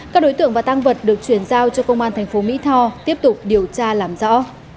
các đối tượng và tăng vật được chuyển giao cho công an thành phố mỹ tho tiếp tục điều tra làm rõ